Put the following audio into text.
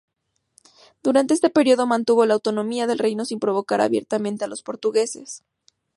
Durante ese periodo, mantuvo la autonomía del reino sin provocar abiertamente a los portugueses.